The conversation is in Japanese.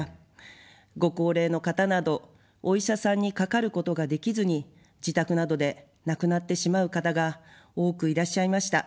ご高齢の方など、お医者さんにかかることができずに自宅などで亡くなってしまう方が多くいらっしゃいました。